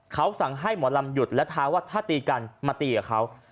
เขาสั่งให้หมอลำหยุดและท้าว่าถ้าตีกันมาตีกับเขา